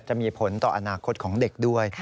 จะมีผลต่ออนาคตของเด็กด้วย